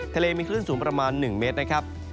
ทะเลมีคลื่นสูงประมาณ๑เมตรนะครับ